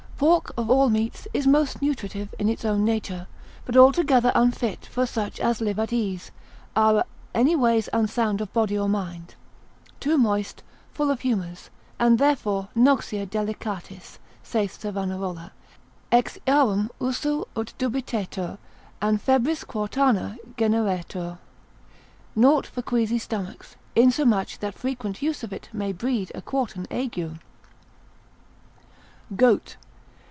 _] Pork, of all meats, is most nutritive in his own nature, but altogether unfit for such as live at ease, are any ways unsound of body or mind: too moist, full of humours, and therefore noxia delicatis, saith Savanarola, ex earum usu ut dubitetur an febris quartana generetur: naught for queasy stomachs, insomuch that frequent use of it may breed a quartan ague. _Goat.